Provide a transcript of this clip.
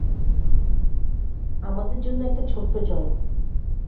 আমাদের জন্য একটা ছোট্ট জয়।